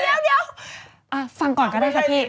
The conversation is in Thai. เดี๋ยวฟังก่อนก็ได้ค่ะพี่